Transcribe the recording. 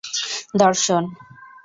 দর্শন